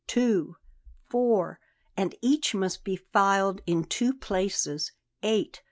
Two, four; and each must be filed in two places: eight.